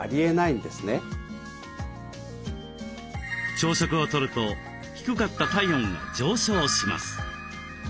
朝食をとると低かった体温が上昇します。